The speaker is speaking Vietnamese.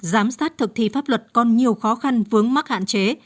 giám sát thực thi pháp luật còn nhiều khó khăn vướng mắc hạn chế